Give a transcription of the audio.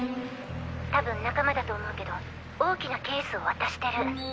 多分仲間だと思うけど大きなケースを渡してる。